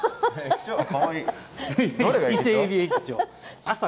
かわいい。